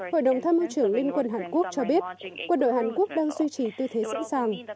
hội đồng tham mưu trưởng liên quân hàn quốc cho biết quân đội hàn quốc đang duy trì tư thế sẵn sàng